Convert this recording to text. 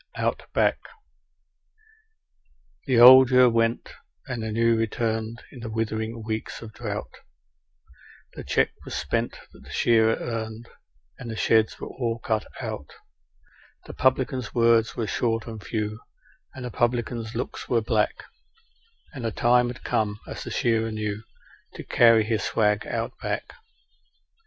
Out Back The old year went, and the new returned, in the withering weeks of drought, The cheque was spent that the shearer earned, and the sheds were all cut out; The publican's words were short and few, and the publican's looks were black And the time had come, as the shearer knew, to carry his swag Out Back.